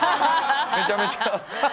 めちゃめちゃ。